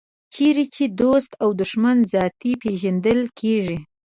چېرې چې دوست او دښمن ذاتي پېژندل کېږي.